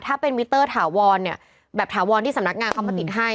ถ้าเป็นมิเตอร์ถาวรเนี่ยแบบถาวรที่สำนักงานเขามาติดให้